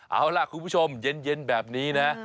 เอาล่ะคุณผู้ชมเย็นแบบนี้นะ